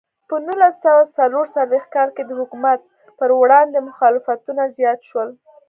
په نولس سوه څلور څلوېښت کال کې د حکومت پر وړاندې مخالفتونه زیات شول.